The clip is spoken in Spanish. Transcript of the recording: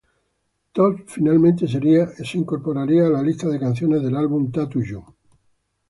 Tops finalmente sería incorporada a la lista de canciones del álbum "Tattoo You".